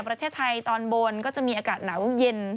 ประเทศไทยตอนบนก็จะมีอากาศหนาวเย็น